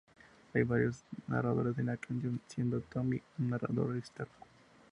Hay varios narradores en la canción, siendo Tommy un narrador externo.